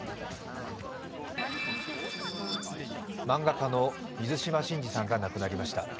漫画家の水島新司さんが亡くなりました。